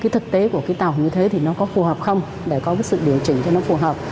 thực tế của cái tàu như thế thì nó có phù hợp không để có cái sự điều chỉnh cho nó phù hợp